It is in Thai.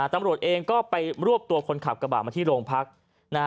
ตำรวจเองก็ไปรวบตัวคนขับกระบาดมาที่โรงพัก